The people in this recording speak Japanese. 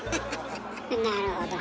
なるほど。